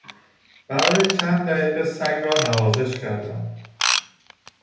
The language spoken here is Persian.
برای چند دقیقه سگ را نوازش کردم.